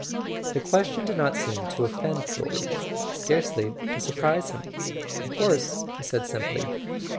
The question did not seem to offend George, scarcely to surprise him. "Of course," he said simply.